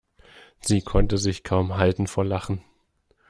Sie konnte sich kaum halten vor Lachen.